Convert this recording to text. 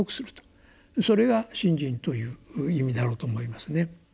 それが信心という意味だろうと思いますね。